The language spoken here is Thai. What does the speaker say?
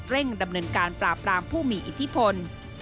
ดำเนินการปราบรามผู้มีอิทธิพล